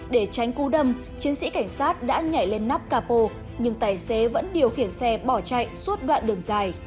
để tránh cú đâm chiến sĩ cảnh sát đã nhảy lên nắp capo nhưng tài xế vẫn điều khiển xe bỏ chạy suốt đoạn đường dài